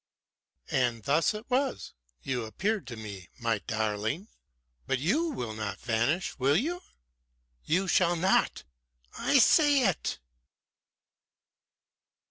"And thus it was you appeared to me, darling! But you will not vanish, will you? You shall not! I say it!"